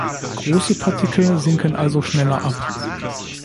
Große Partikel sinken also schneller ab.